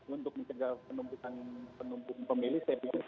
untuk menjaga penumpukan penumpukan pemilih saya pikir